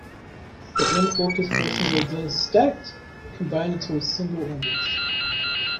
The in-focus portions are then "stacked"; combined into a single image.